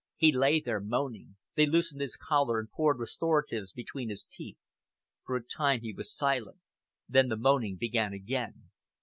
He lay there, moaning. They loosened his collar and poured restoratives between his teeth. For a time he was silent. Then the moaning began again.